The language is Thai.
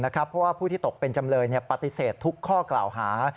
เพราะว่าผู้ที่ตกเป็นจำเลยปฏิเสธทุกข้อกล่าวหา